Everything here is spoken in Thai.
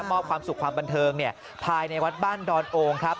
มอบความสุขความบันเทิงภายในวัดบ้านดอนโองครับ